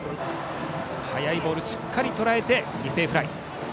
速いボールをしっかりとらえて犠牲フライ。